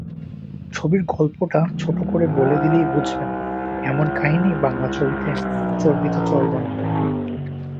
ছবির গল্পটা ছোট করে বলে দিলেই বুঝবেন, এমন কাহিনি বাংলা ছবিতে চর্বিতচর্বণ।